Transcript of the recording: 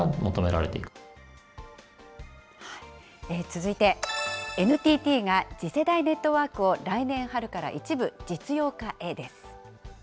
続いて、ＮＴＴが次世代ネットワークを来年春から一部実用化へです。